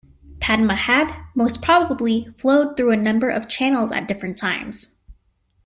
Padma had, most probably, flowed through a number of channels at different times.